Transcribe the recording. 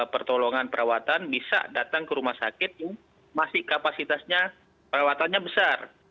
pertolongan perawatan bisa datang ke rumah sakit yang masih kapasitasnya perawatannya besar